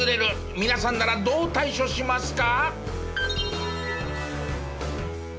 皆さんならどう対処しますか？